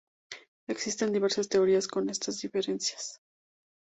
Existen diversas teorías con estas diferencias.